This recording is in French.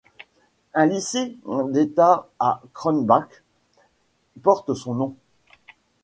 Un lycée d'État à Krumbach porte son nom.